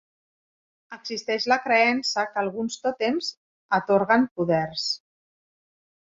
Existeix la creença que alguns tòtems atorguen poders.